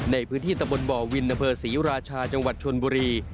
ในพื้นที่ตะบนบ่อวินอำเภอศรีราชาจังหวัดชนบุรี